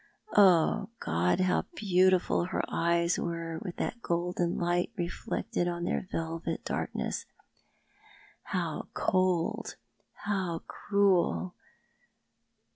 Oh, God, how beautiful her eyes were with that golden light re flected on their velvet darkness ! How cold ! how cruel